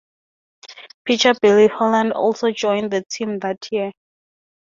Pitcher Billy Holland also joined the team that year.